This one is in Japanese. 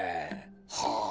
はあ。